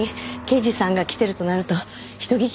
刑事さんが来てるとなると人聞き悪いんで。